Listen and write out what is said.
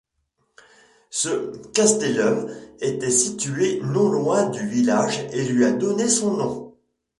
Ce castellum était situé non loin du village, et lui a donné son nom.